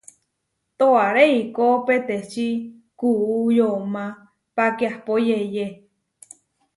Toaré eikó peteči kuú yomá páke ahpó yeʼyé.